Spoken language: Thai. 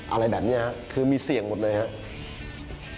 อะไรแบบนี้คือมีเสี่ยงหมดเลยครับ